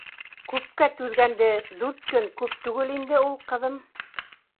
— Күпкә түҙгәнде, дүрт көн күп түгел инде ул, ҡыҙым.